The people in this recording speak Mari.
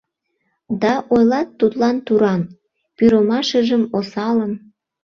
Да ойлат тудлан туран Пӱрымашыжым — осалым